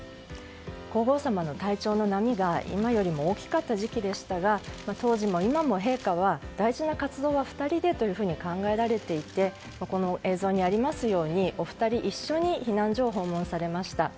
皇后さまの体調の波が今よりも大きかった時期でしたが当時も今も陛下は大事な活動は２人でと考えられていてこの映像にありますようにお二人一緒に避難所を訪問されました。